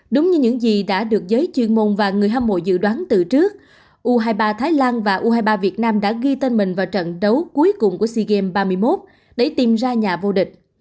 đúng như những gì đã được giới chuyên môn và người hâm mộ dự đoán từ trước u hai mươi ba thái lan và u hai mươi ba việt nam đã ghi tên mình vào trận đấu cuối cùng của sea games ba mươi một để tìm ra nhà vô địch